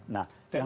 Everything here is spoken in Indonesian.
nah yang lain